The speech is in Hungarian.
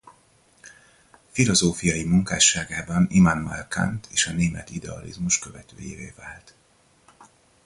Filozófiai munkásságában Immanuel Kant és a német idealizmus követőjévé vált.